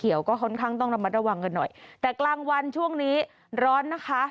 เดี๋ยวก็ค่อนข้างต้องระมัดระวังกันหน่อยแต่กลางวันช่วงนี้ร้อนนะคะ